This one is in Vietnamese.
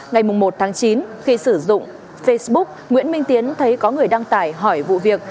ngày một tháng chín khi sử dụng facebook nguyễn minh tiến thấy có người đăng tải hỏi vụ việc